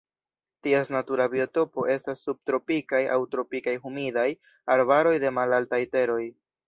Ties natura biotopo estas subtropikaj aŭ tropikaj humidaj arbaroj de malaltaj teroj.